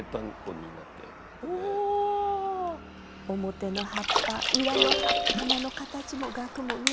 表の葉っぱ裏の葉花の形もガクも見えて。